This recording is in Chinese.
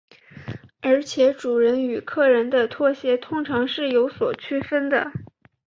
而且主人与客人的拖鞋通常是有所区分的。